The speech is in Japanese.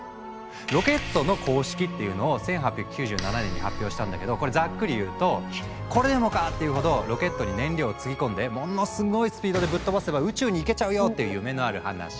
「ロケットの公式」っていうのを１８９７年に発表したんだけどこれざっくり言うと「これでもかっていうほどロケットに燃料を積み込んでものすごいスピードでぶっ飛ばせば宇宙に行けちゃうよ」っていう夢のある話。